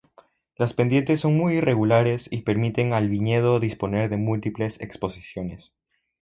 Las pendientes son muy irregulares y permiten al viñedo disponer de múltiples exposiciones.